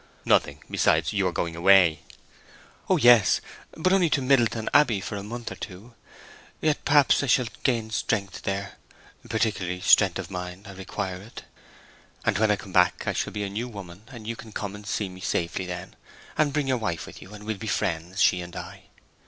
"Nothing. Besides, you are going away." "Oh yes; but only to Middleton Abbey for a month or two. Yet perhaps I shall gain strength there—particularly strength of mind—I require it. And when I come back I shall be a new woman; and you can come and see me safely then, and bring your wife with you, and we'll be friends—she and I.